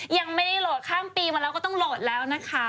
ยังไม่ได้โหลดข้ามปีมาแล้วก็ต้องโหลดแล้วนะคะ